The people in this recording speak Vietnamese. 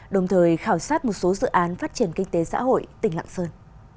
đồng thời khảo sát một số dự án phát triển kinh tế xã hội tỉnh lạng sơn